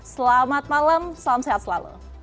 selamat malam salam sehat selalu